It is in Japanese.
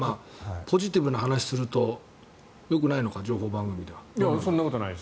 ポジティブな話をするとよくないのか、情報番組では。